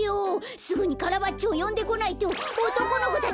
すぐにカラバッチョをよんでこないとおとこの子たち